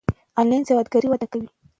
انلاین سوداګري وده کوي.